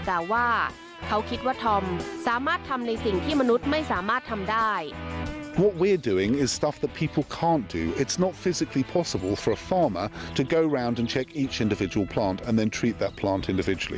แต่ว่าเขาคิดว่าธอมสามารถทำในสิ่งที่มนุษย์ไม่สามารถทำได้